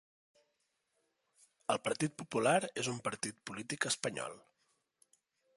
El Partit Popular és un partit polític espanyol